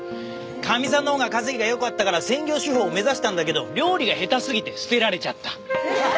かみさんのほうが稼ぎがよかったから専業主夫を目指したんだけど料理が下手すぎて捨てられちゃった。